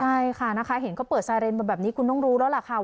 ใช่ค่ะนะคะเห็นเขาเปิดไซเรนมาแบบนี้คุณต้องรู้แล้วล่ะค่ะ